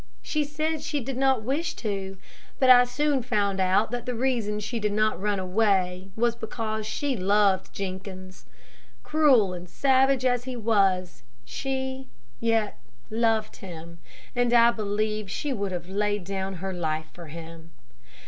She said she did not wish to; but I soon found out that the reason she did not run away, was because she loved Jenkins. Cruel and savage as he was, she yet loved him, and I believe she would have laid down her life for him.